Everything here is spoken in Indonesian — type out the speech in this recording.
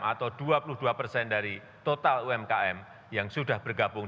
atau dua puluh dua persen dari total umkm yang sudah bergabung